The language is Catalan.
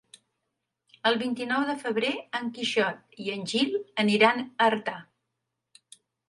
El vint-i-nou de febrer en Quixot i en Gil aniran a Artà.